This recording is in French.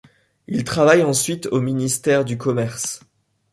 Il travaille ensuite au ministère du Commerce.